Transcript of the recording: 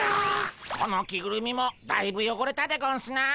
この着ぐるみもだいぶよごれたでゴンスな。